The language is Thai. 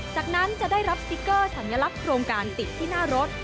จากนั้นจะได้รับสติ๊กเกอร์สัญลักษณ์โครงการติดที่หน้ารถ